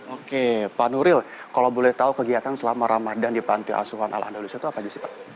oke pak nuril kalau boleh tahu kegiatan selama ramadan di panti asuhan al andalusia itu apa aja sih pak